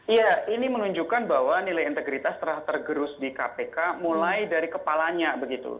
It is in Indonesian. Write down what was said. iya ini menunjukkan bahwa nilai integritas telah tergerus di kpk mulai dari kepalanya begitu